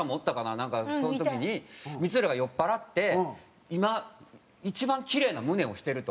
なんかその時に光浦が酔っ払って「今一番キレイな胸をしてる」と。